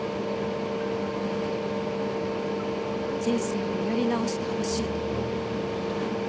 あなたには人生をやり直してほしいと。